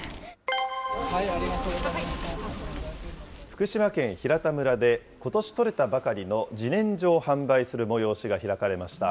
福島県平田村で、ことし採れたばかりのじねんじょを販売する催しが開かれました。